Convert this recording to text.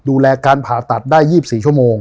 ดูแลการผ่าตัดได้๒๔ชั่วโมง